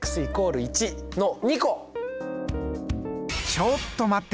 ちょっと待って！